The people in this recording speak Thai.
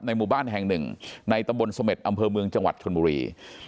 หมู่บ้านแห่งหนึ่งในตำบลเสม็ดอำเภอเมืองจังหวัดชนบุรี